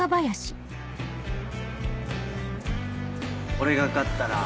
俺が勝ったら。